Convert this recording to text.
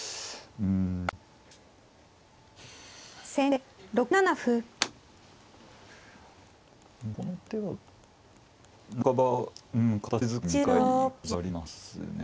うんこの手は半ばうん形づくりに近い感じがありますね。